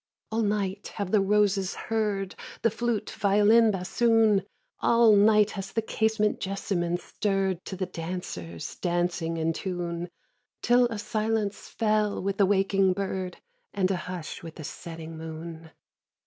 3. All night have the roses heard The flute, violin, bassoon; All night has the casement jessamine stirr'd To the dangers dancing in tune; Till a silence fell with the waking bird, And a hush with the setting moon.